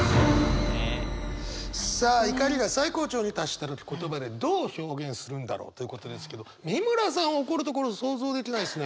さあ怒りが最高潮に達した時言葉でどう表現するんだろうということですけど美村さん怒るところ想像できないですね。